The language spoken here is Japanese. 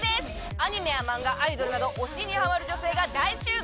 アニメや漫画、アイドルなど、推しにはまる女性が大集合。